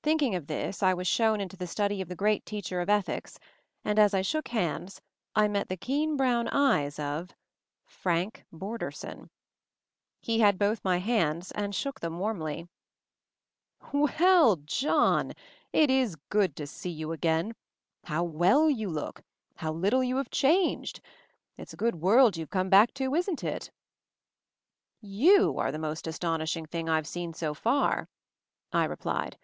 Thinking of this, I was shown into the study of the great teacher of ethics, and as I shook hands I met the keen brown eyes of — Frank Borderson. He had both my hands and shook them warmly. 240 MOVING THE MOUNTAIN "Well, John ! It is good to see you again. How well you look; how little you have changed! It's a good world you've come back to, isn't it?" "You are the most astonishing thing I've seen so far," I replied.